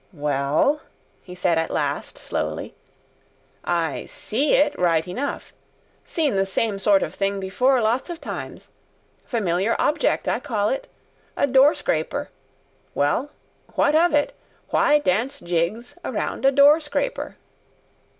"Well," he said at last, slowly, "I SEE it right enough. Seen the same sort of thing before, lots of times. Familiar object, I call it. A door scraper! Well, what of it? Why dance jigs around a door scraper?"